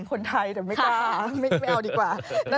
คนไทยแต่ไม่กล้าไม่เอาดีกว่า